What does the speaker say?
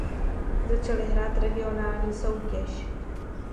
Začali hrát regionální soutěž.